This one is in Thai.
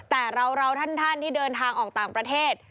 แต่เราท่านที่เดินทางออกต่างประเทศ